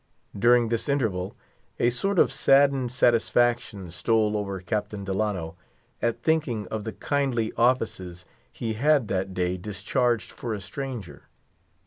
During this interval, a sort of saddened satisfaction stole over Captain Delano, at thinking of the kindly offices he had that day discharged for a stranger.